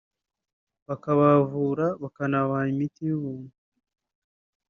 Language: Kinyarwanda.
bakabavura bakanabaha imiti y’ubuntu